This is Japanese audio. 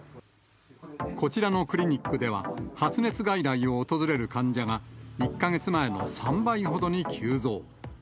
こちらのクリニックでは、発熱外来を訪れる患者が、１か月前の３倍ほどに急増。